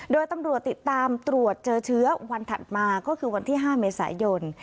โดยตำรวจติดตามตรวจเจอเชื้อวันถัดมาก็คือวันที่๕เมษายน